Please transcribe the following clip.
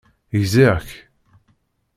Gziɣ-k.